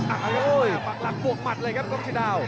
อ้าวหลักปวกหมัดเลยครับคมเชดาว